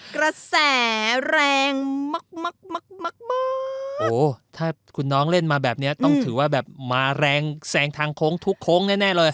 กระแสแรงมากมากโอ้โหถ้าคุณน้องเล่นมาแบบนี้ต้องถือว่าแบบมาแรงแซงทางโค้งทุกโค้งแน่เลย